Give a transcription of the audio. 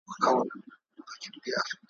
یا دي نه وای شاعر کړی یا دي نه وای بینا کړی `